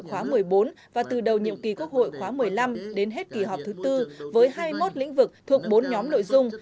khóa một mươi bốn và từ đầu nhiệm kỳ quốc hội khóa một mươi năm đến hết kỳ họp thứ tư với hai mươi một lĩnh vực thuộc bốn nhóm nội dung